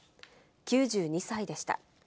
９２歳でした。